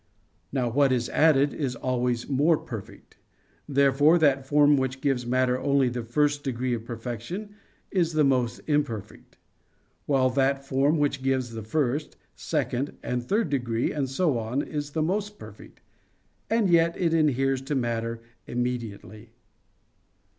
Now what is added is always more perfect. Therefore that form which gives matter only the first degree of perfection is the most imperfect; while that form which gives the first, second, and third degree, and so on, is the most perfect: and yet it inheres to matter immediately.